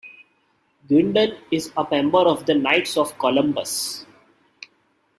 Guindon is a member of the Knights of Columbus.